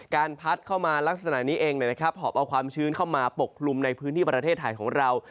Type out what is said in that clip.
พัดเข้ามาลักษณะนี้เองหอบเอาความชื้นเข้ามาปกคลุมในพื้นที่ประเทศไทยของเรา